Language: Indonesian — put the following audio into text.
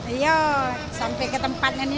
iya sampai ke tempatnya nih